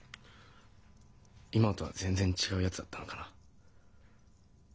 今とは全然違うやつだったのかな？